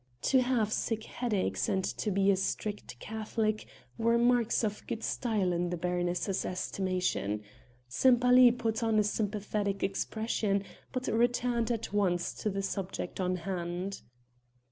To have sick headaches and be a strict Catholic were marks of good style in the baroness's estimation. Sempaly put on a sympathetic expression, but returned at once to the subject in hand.